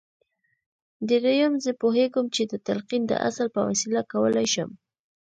درېيم زه پوهېږم چې د تلقين د اصل په وسيله کولای شم.